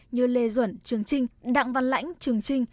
như lê duẩn trường trinh đặng văn lãnh trường trinh